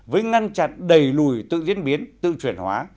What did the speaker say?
với ngăn chặn đầy lùi tự diễn biến tự truyền hóa